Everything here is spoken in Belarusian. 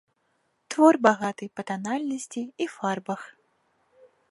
Твор багаты па танальнасці і фарбах.